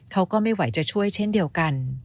เขาก็ไม่ไหวจะช่วยเช่นเดียวกัน